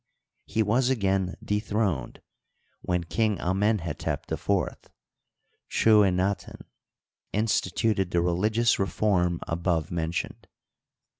he was again dethroned, when King Amenhetep IV (Chuenaten) instituted the religious re form above mentioned.